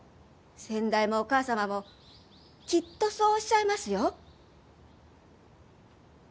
先代もお母さまもきっとそうおっしゃいますよ。